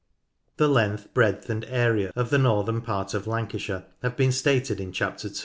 The length, breadth, and area of the northern part of Lancashire have been stated in Chapter 2.